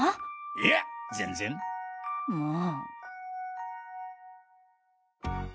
いや全然。もォ！